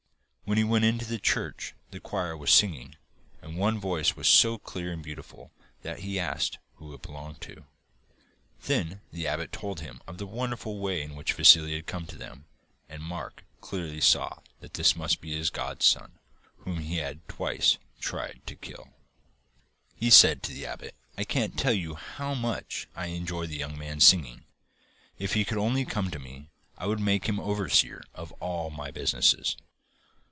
When he went into the church the choir was singing, and one voice was so clear and beautiful, that he asked who it belonged to. Then the abbot told him of the wonderful way in which Vassili had come to them, and Mark saw clearly that this must be his godson whom he had twice tried to kill. He said to the abbot: 'I can't tell you how much I enjoy that young man's singing. If he could only come to me I would make him overseer of all my business.